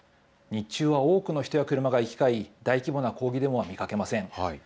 日中は多くの人や車が行き交い、大規模な抗議デモは見かけません。